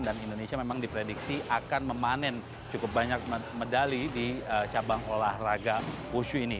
dan indonesia memang diprediksi akan memanen cukup banyak medali di cabang olahraga wushu ini